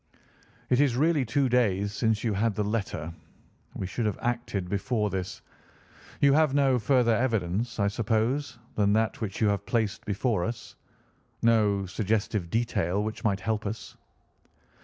"It is really two days since you had the letter. We should have acted before this. You have no further evidence, I suppose, than that which you have placed before us—no suggestive detail which might help us?"